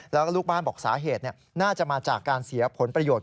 แล้วก็ลูกบ้านบอกสาเหตุน่าจะมาจากการเสียผลประโยชน